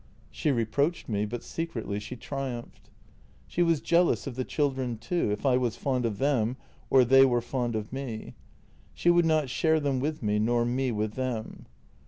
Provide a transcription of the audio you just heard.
She reproached me, but secretly she triumphed. " She was jealous of the children too, if I was fond of them or they were fond of me. She would not share them with me nor me with them.